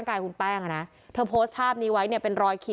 ก็กลายเป็นว่าติดต่อพี่น้องคู่นี้ไม่ได้เลยค่ะ